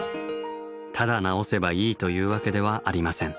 ただ直せばいいというわけではありません。